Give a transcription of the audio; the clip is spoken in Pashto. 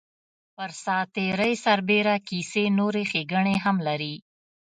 پر ساعت تېرۍ سربېره کیسې نورې ښیګڼې هم لري.